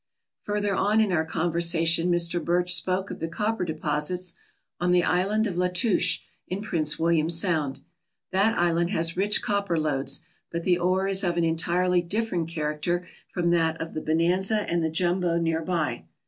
Further on in our conversation Mr. Birch spoke of the copper deposits on the Island of Latouche, in Prince William Sound. That island has rich copper lodes, but the ore is of an entirely different character from that of the Bonanza and the Jumbo near by.